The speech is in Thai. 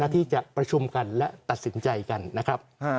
ที่จะประชุมกันและตัดสินใจกันนะครับ